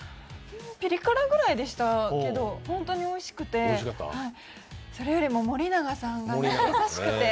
ピリ辛ぐらいでしたけど本当においしくてそれよりも森永さんが優しくて。